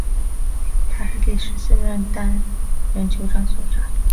他是第十四任登丹人酋长所杀。